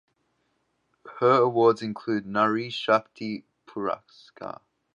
Her awards include the Nari Shakti Puraskar.